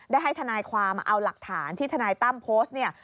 ได้ให้ทนายความเอาหลักฐานที่ทนายตั้มโพสต์เนี่ย